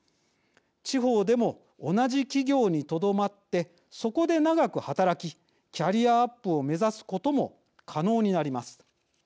地方でも同じ企業にとどまってそこで長く働きキャリアアップを目指すことも可能になります。